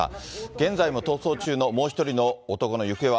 現在も逃走中のもう１人の男の行方は。